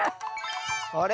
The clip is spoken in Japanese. あれ？